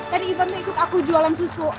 tadi ivan tuh ikut aku jualan susu